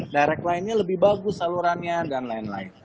direct line nya lebih bagus salurannya dan lain lain